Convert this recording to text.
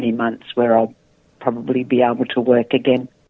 di mana saya mungkin bisa bekerja lagi